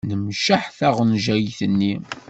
Temceḥ taɣenjayt-nni.